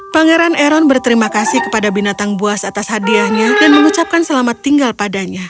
pangeran eron berterima kasih kepada binatang buas atas hadiahnya dan mengucapkan selamat tinggal padanya